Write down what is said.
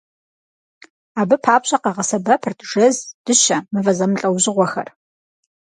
Абы папщӀэ къагъэсэбэпырт жэз, дыщэ, мывэ зэмылӀэужьыгъуэхэр.